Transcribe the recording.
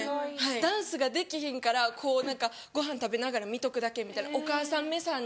ダンスができひんからこう何かご飯食べながら見とくだけみたいなお母さんめさんに。